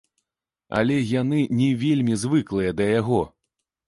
Але яны не вельмі звыклыя да яго.